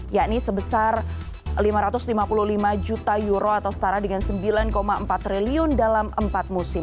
yakni sebesar lima ratus lima puluh lima juta euro atau setara dengan sembilan empat triliun dalam empat musim